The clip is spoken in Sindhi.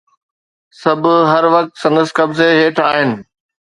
سڀ هر وقت سندس قبضي هيٺ آهن